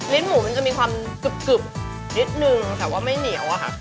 หมูมันจะมีความกึบนิดนึงแต่ว่าไม่เหนียวอะค่ะ